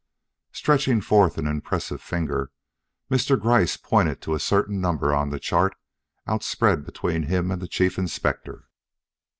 Stretching forth an impressive finger, Mr. Gryce pointed to a certain number on the chart outspread between him and the Chief Inspector.